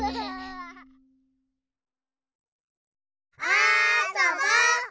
あそぼ！